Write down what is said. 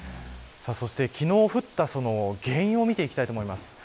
そして、昨日降った原因を見ていきたいと思います。